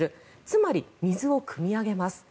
つまり、水をくみ上げます。